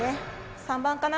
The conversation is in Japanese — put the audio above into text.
３番かな？